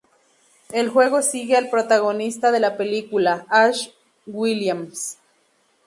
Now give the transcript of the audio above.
El juego sigue al protagonista de la película, Ash Williams.